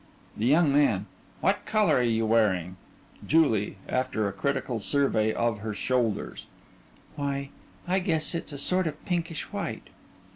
THE YOUNG MAN: What color are you wearing? JULIE: (After a critical survey of her shoulders) Why, I guess it's a sort of pinkish white.